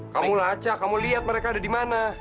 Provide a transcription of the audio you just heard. kamu lacak kamu lihat mereka ada di mana